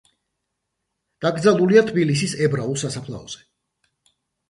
დაკრძალულია თბილისის ებრაულ სასაფლაოზე.